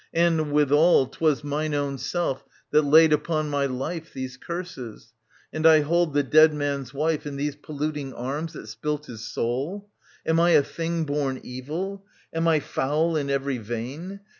And withal 'Twas mine own self that laid upon my life These curses. — And I hold the dead man's wife In these polluting arms that spilt his soul. ... Am I a thing born evil ? Am I foul In every vein